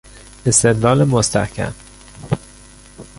استدلال مستحکم